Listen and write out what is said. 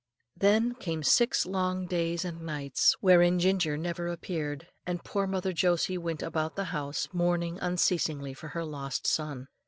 Then came six long days and nights wherein Ginger never appeared, and poor mother Josie went about the house mourning unceasingly for her lost son.